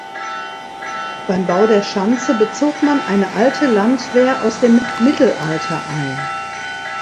Beim Bau der Schanze bezog man eine alte Landwehr aus dem Mittelalter ein.